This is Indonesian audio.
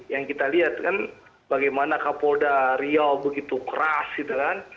yang kita lihat kan bagaimana kapolda riau begitu keras gitu kan